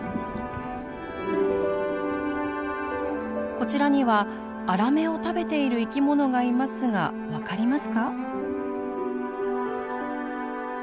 こちらにはアラメを食べている生き物がいますが分かりますか？